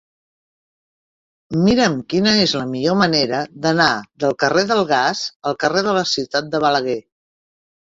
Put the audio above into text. Mira'm quina és la millor manera d'anar del carrer del Gas al carrer de la Ciutat de Balaguer.